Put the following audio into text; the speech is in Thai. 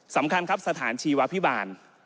สำคัญครับสถานชีวพิบาล